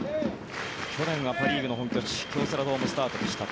去年はパ・リーグの本拠地京セラドームスタートでした。